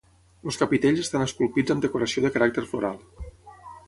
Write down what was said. Els capitells estan esculpits amb decoració de caràcter floral.